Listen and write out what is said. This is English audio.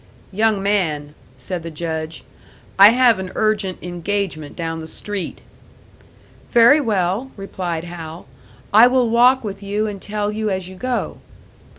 "Young man," said the Judge, "I have an urgent engagement down the street." "Very well," replied Hal, "I will walk with you and tell you as you go."